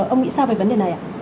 ông nghĩ sao về vấn đề này ạ